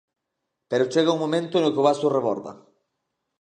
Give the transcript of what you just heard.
Pero chega un momento no que o vaso reborda.